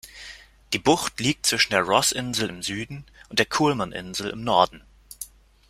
Die Bucht liegt zwischen der Ross-Insel im Süden und der Coulman-Insel im Norden.